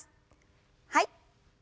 はい。